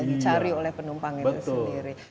dicari oleh penumpang itu sendiri